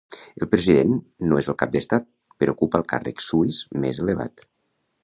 El President no és el cap d'Estat, però ocupa el càrrec suís més elevat.